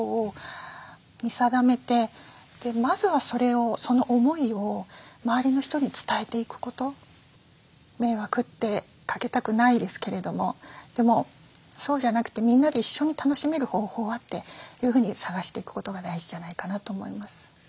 でもきっと大切になってくるのは迷惑ってかけたくないですけれどもでもそうじゃなくてみんなで一緒に楽しめる方法は？というふうに探していくことが大事じゃないかなと思います。